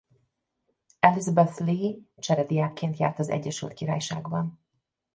Elizabeth Lee cserediákként járt az Egyesült Királyságban.